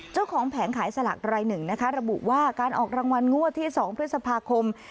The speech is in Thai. แผงขายสลากรายหนึ่งนะคะระบุว่าการออกรางวัลงวดที่๒พฤษภาคม